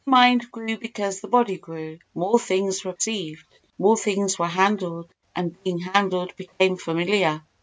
The mind grew because the body grew—more things were perceived—more things were handled, and being handled became familiar.